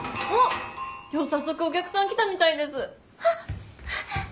今日は早速お客さん来たみたいです！